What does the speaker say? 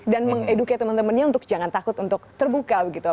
dan mengedukai teman temannya untuk jangan takut untuk terbuka gitu